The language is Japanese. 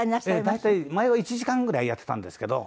大体前は１時間ぐらいやってたんですけど。